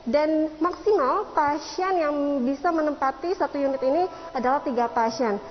dan maksimal pasien yang bisa menempati satu unit ini adalah tiga pasien